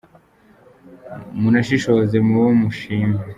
Munashishoze mubo mushima